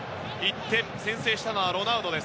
１点先制したのはロナウド。